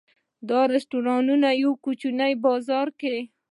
دا رسټورانټ په یوه کوچني بازار کې و.